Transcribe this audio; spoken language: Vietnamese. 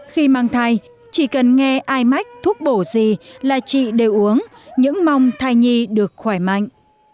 khi mang thai chỉ cần nghe mách thuốc bổ gì là chị đều uống những mong thai nhi được khỏe mạnh